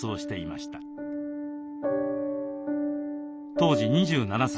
当時２７歳。